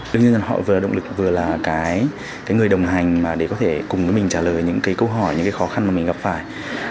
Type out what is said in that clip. đương nhiên là họ vừa là động lực vừa là cái người đồng hành để có thể cùng với mình trả lời những câu hỏi những khó khăn mà mình gặp phải